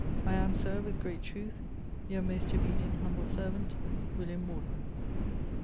I am, Sir, with great truth, Your most obedient humble servant, WILLIAM MORDEN.